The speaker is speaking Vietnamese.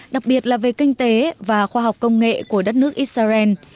đặc biệt là về kinh tế và khoa học công nghệ của đất nước israel